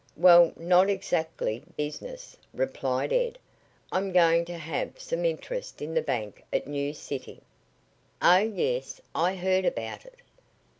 "Well, not exactly business," replied Ed. "I'm going to have some interest in the bank at New City." "Oh, yes. I heard about it."